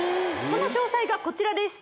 その詳細がこちらです